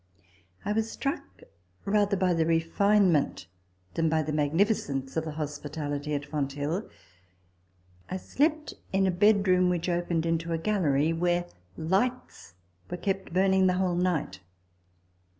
I was struck rather by the refinement than by the magnificence of the hospitality at Fonthill. I slept in a bedroom which opened into a gallery where lights were kept burning the whole night.